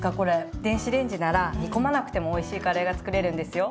電子レンジなら煮込まなくてもおいしいカレーが作れるんですよ。